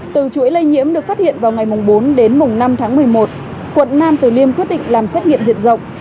từ chuỗi lây nhiễm được phát hiện vào ngày bốn đến năm tháng một mươi một quận nam từ liêm quyết định làm xét nghiệm diện rộng